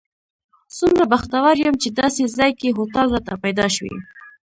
څومره بختور یم چې داسې ځای کې هوټل راته پیدا شوی.